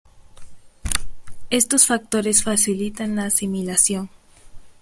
Estos factores facilitan la asimilación.